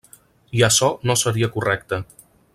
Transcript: I açò no seria correcte.